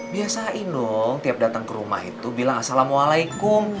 biasain dong tiap datang ke rumah itu bilang assalamualaikum